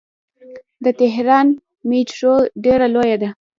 د تهران میټرو ډیره لویه ده.